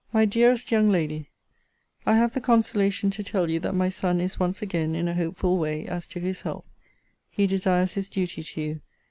MY DEAREST YOUNG LADY, I have the consolation to tell you that my son is once again in a hopeful way, as to his health. He desires his duty to you.